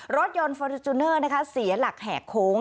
รถยนต์ฟอร์จูเนอร์นะคะเสียหลักแหกโค้ง